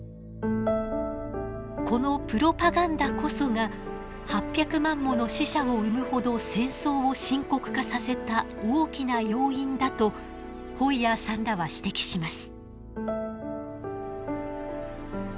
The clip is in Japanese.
このプロパガンダこそが８００万もの死者を生むほど戦争を深刻化させた大きな要因だとホイヤーさんらは指摘します。